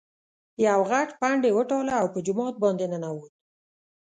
یو غټ پنډ یې وتاړه او په جومات باندې ننوت.